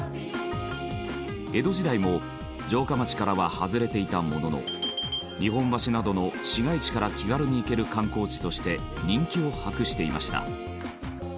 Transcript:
江戸時代も城下町からは外れていたものの日本橋などの市街地から気軽に行ける観光地として人気を博していました。